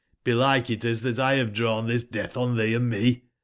Belike it is 1 tbat bave drawn tbis deatb on tbee and me.